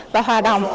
và hòa đồng